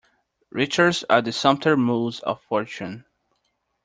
Riches are the sumpter mules of fortune.